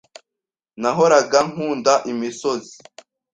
Nahoraga nkunda imisozi.